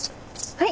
はい！